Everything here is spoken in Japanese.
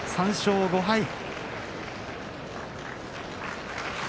３勝５敗。